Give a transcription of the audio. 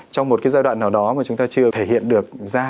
trong một cái giai đoạn nào đó mà chúng ta chưa thể hiện được ra